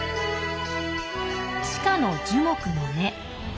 地下の樹木の根。